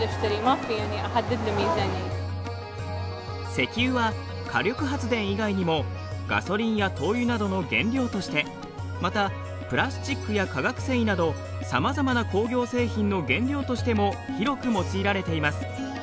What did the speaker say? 石油は火力発電以外にもガソリンや灯油などの原料としてまたプラスチックや化学繊維などさまざまな工業製品の原料としても広く用いられています。